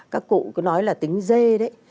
các cụ cứ nói là tính dê đấy